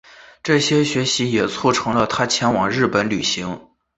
这些学习也促成他前往日本旅行。